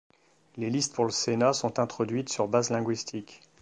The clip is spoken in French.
Les listes pour le sénat sont introduites sur base linguistiques.